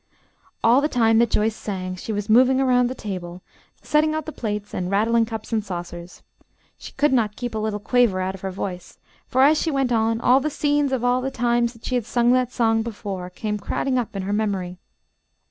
All the time that Joyce sang, she was moving around the table, setting out the plates and rattling cups and saucers. She could not keep a little quaver out of her voice, for, as she went on, all the scenes of all the times that she had sung that song before came crowding up in her memory.